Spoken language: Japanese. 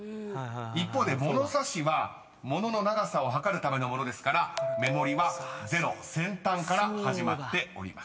［一方で物差しは物の長さを測るための物ですから目盛りはゼロ先端から始まっております］